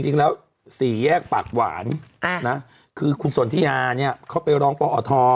จริงแล้วสี่แยกปากหวานคือคุณสนทิยาเนี่ยเขาไปร้องปอท